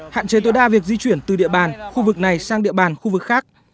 hạn chế tối đa việc di chuyển từ địa bàn khu vực này sang địa bàn khu vực khác